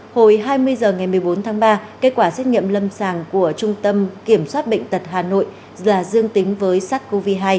hồi hai mươi h ngày một mươi bốn tháng ba kết quả xét nghiệm lâm sàng của trung tâm kiểm soát bệnh tật hà nội là dương tính với sars cov hai